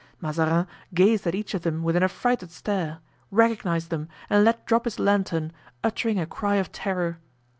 Mazarin gazed at each of them with an affrighted stare, recognized them, and let drop his lantern, uttering a cry of terror.